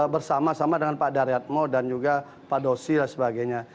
bersama sama dengan pak daryatmo dan juga pak dosi dan sebagainya